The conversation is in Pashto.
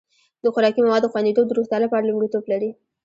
د خوراکي موادو خوندیتوب د روغتیا لپاره لومړیتوب لري.